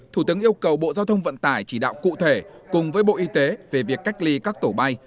thủ tướng yêu cầu bộ giao thông vận tải chỉ đạo cụ thể cùng với bộ y tế về việc cách ly các tổ bay